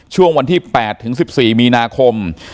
ช่วงวันที่๘ถึง๑๔มีนาคม